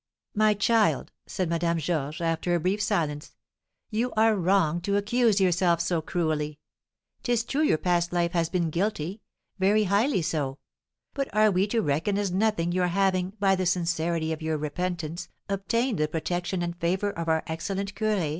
"My child," said Madame Georges, after a brief silence, "you are wrong to accuse yourself so cruelly. 'Tis true your past life has been guilty very highly so; but are we to reckon as nothing your having, by the sincerity of your repentance, obtained the protection and favour of our excellent curé?